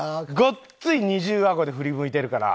ごっつい二重あごで振り向いてるから。